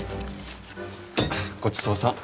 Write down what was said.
ごちそうさん。